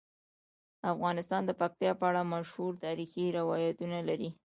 افغانستان د پکتیا په اړه مشهور تاریخی روایتونه لري.